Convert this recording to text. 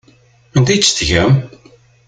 Anda ay tt-teǧǧam?